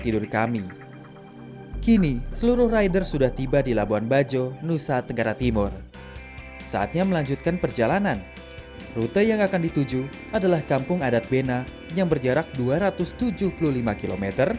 di desa bolu bolu nusa tenggara timur perjalanan kami sudah mencatatkan angka seribu km